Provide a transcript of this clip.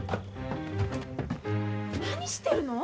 何してるの？